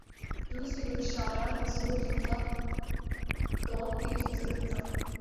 روس کے ملک الشعراء “رسول ھمزہ توف“ کی خوبصورت نظم